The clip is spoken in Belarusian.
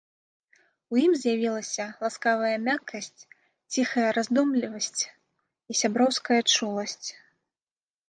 У ім з'явілася ласкавая мяккасць, ціхая раздумлівасці, і сяброўская чуласць.